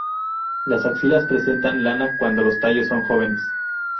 Las axilas presentan lana cuando los tallos son jóvenes.